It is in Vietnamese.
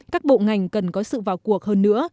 các bộ ngành cần có sự vào cuộc hơn nữa